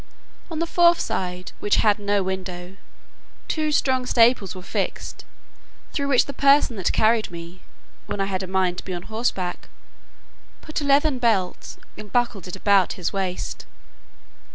On the fourth side, which had no window, two strong staples were fixed, through which the person that carried me, when I had a mind to be on horseback, put a leathern belt, and buckled it about his waist.